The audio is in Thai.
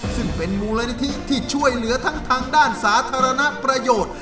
ซึ่งเป็นมูลนิธิที่ช่วยเหลือทั้งทางด้านสาธารณประโยชน์